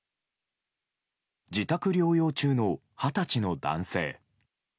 自宅療養中の二十歳の男性。